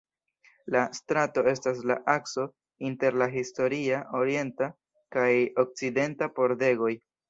La strato estas la akso inter la historia orienta kaj okcidenta pordegoj.